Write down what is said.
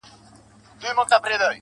په يوه لاره کي پنډت بل کي مُلا وينم